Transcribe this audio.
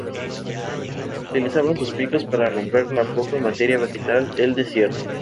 Utilizaban sus picos para romper la poca materia vegetal del desierto.